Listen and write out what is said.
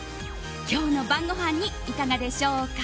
今日の晩ごはんにいかがでしょうか。